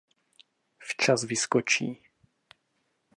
Včas vyskočí.